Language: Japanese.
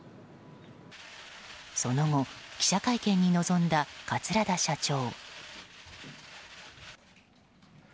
その後記者会見に臨んだ桂田社長。